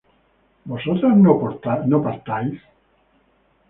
¿vosotras no partáis?